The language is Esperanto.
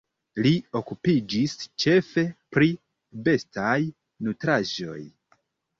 Li okupiĝis ĉefe pri bestaj nutraĵoj.